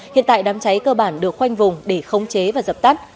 hiện tại đám cháy cơ bản được khoanh vùng để khống chế và dập tắt